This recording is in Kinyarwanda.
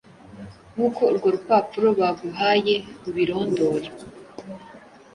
nkuko urwo rupapuro baguhaye rubirondora.